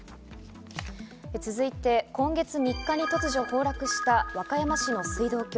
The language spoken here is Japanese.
続いて今月３日に突如崩落した和歌山市の水道橋。